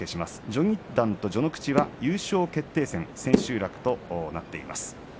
序二段と序ノ口は優勝決定戦千秋楽となっています。